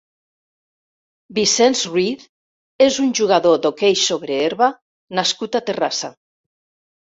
Viçens Ruiz és un jugador d'hoquei sobre herba nascut a Terrassa.